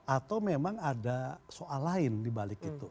atau memang ada soal lain dibalik itu